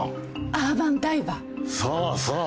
『アーバン・ダイバー』そうそう！